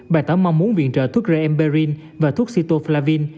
bài tỏ mong muốn viện trợ thuốc remperin và thuốc sitoflavin